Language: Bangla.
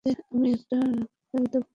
আমি এটা রেখে দেবো।